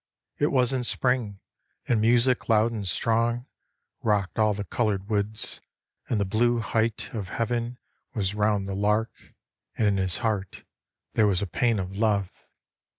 It was in Spring, and music loud and strong Rocked all the coloured woods, and the blue height Of heaven was round the lark, and in his heart There was a pain of love.